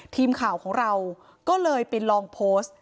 ทีมข่าวของเราก็เลยไปลองโพสต์